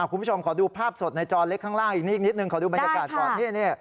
คุณผู้ชมขอดูภาพสดในจอเล็กข้างล่างอีกนี่อีกนิดนึงขอดูบรรยากาศก่อน